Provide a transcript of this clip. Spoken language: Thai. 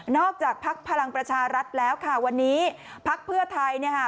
นอกจากภาพพลังประชารัฐแล้วค่ะวันนี้ภาคเพื่อไทยเนี่ยฮะ